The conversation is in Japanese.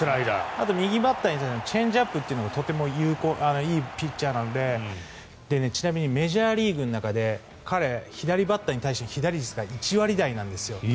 あと右バッターにはチェンジアップがいいピッチャーなのでちなみにメジャーリーグの中で彼は左バッターに対して被打率が１割台なんですよ。